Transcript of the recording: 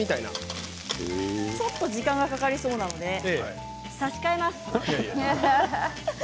時間がかかりそうなので差し替えます。